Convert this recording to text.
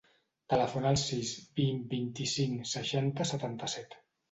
Telefona al sis, vint, vint-i-cinc, seixanta, setanta-set.